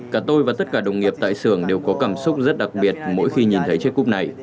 cả tôi và tất cả đồng nghiệp tại xưởng đều có cảm xúc rất đặc biệt mỗi khi nhìn thấy chiếc cúp này